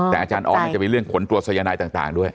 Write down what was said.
แต่อาจารย์ออสจะไปเรื่องผลตรวจสายนายต่างด้วย